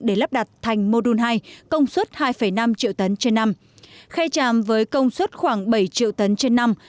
để lắp đặt thành mô đun hai công suất hai năm triệu tấn trên năm khe tràm với công suất khoảng bảy triệu tấn trên năm